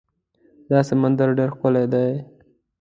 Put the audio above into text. دا سندره ډېره ښکلې ده.